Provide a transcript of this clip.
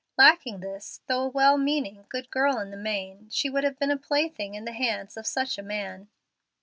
Lacking this, though a well meaning, good girl in the main, she would have been a plaything in the hands of such a man.